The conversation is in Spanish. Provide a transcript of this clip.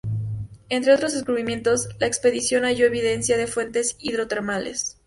Entre otros descubrimientos, la expedición halló evidencia de fuentes hidrotermales.